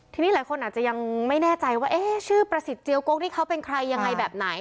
ทีนี้หลายคนอาจจะยังไม่แน่ใจว่าเอ๊ะชื่อประสิทธิเจียวกกที่เขาเป็นใครยังไงแบบไหน